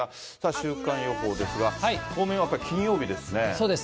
週間予報ですが、当面は金曜日ですね。